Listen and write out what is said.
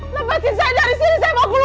lepasin saya dari sini saya mau keluar